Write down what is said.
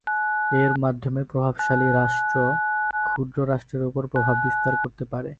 এর মাধ্যমে প্রভাবশালী রাষ্ট্র, ক্ষুদ্র রাষ্ট্রের উপর প্রভাব বিস্তার করতে পারে।